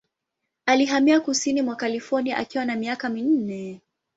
Alihamia kusini mwa California akiwa na miaka minne.